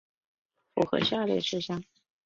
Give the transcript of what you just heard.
符合下列事项